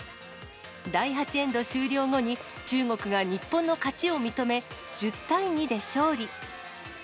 第８エンド終了後に、中国が日本の勝ちを認め、１０対２で勝利。